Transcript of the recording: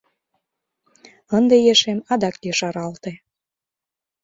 Ынде ешем адак ешаралте...